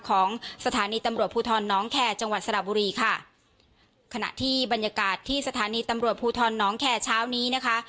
ของสถานีตำรวจภูทรน้องแคร์จังหวัดสระบุรีค่ะขณะที่บรรยากาศที่สถานีตำรวจภูทรน้องแคร์เช้านี้นะคะ